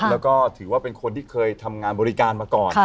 แล้วก็ถือว่าเป็นคนที่เคยทำงานบริการมาก่อน